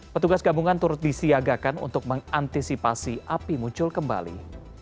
petugas gabungan turut disiagakan untuk mengantisipasi api muncul kembali